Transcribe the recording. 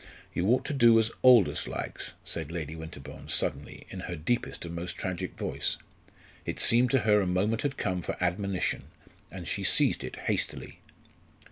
"You ought to do as Aldous likes," said Lady Winterbourne, suddenly, in her deepest and most tragic voice. It seemed to her a moment had come for admonition, and she seized it hastily.